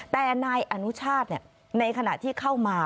แต่นายอนุชาติในขณะที่เข้ามา